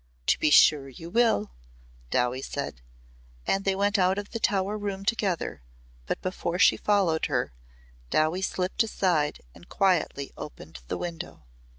"To be sure you will," Dowie said. And they went out of the Tower room together, but before she followed her Dowie slipped aside and quietly opened the window.